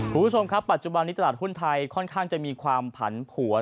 คุณผู้ชมครับปัจจุบันนี้ตลาดหุ้นไทยค่อนข้างจะมีความผันผวน